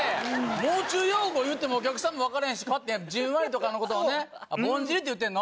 もう中用語いうてもお客さんにも分からへんし、じんわりとかのことをね、ぼんじりって言ってんの？